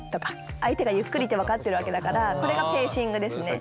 相手がゆっくりって分かってるわけだからこれがペーシングですね。